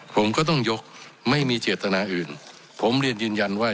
ผมก็ต้องยกไม่มีเจตนาอื่นผมเรียนยืนยันว่า